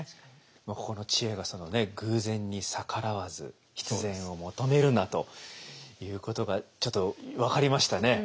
ここの知恵が「偶然に逆らわず必然を求めるな」ということがちょっと分かりましたね。